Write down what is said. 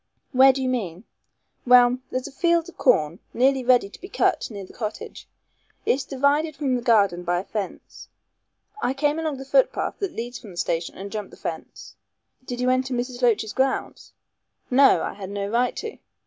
"Where do you mean?" "Well, there's a field of corn nearly ready to be cut near the cottage. It's divided from the garden by a fence. I came along the foot path that leads from the station and jumped the fence." "Did you enter Miss Loach's grounds?" "No. I had no right to.